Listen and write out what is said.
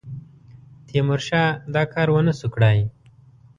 تیمورشاه دا کار ونه سو کړای.